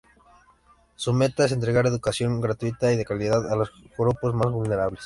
Su meta es entregar educación gratuita y de calidad a los grupos más vulnerables.